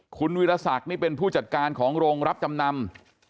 คุณวิรสักนี่เป็นผู้จัดการของโรงรับจำนำ